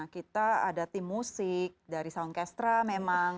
kita ada tim musik dari sounchestra memang